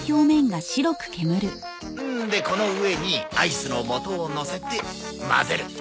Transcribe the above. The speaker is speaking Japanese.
でこの上にアイスのもとをのせて混ぜる。